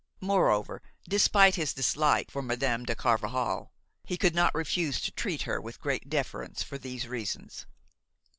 Moreover, despite his dislike for Madame de Carvajal, he could not refuse to treat her with great deference for these reasons.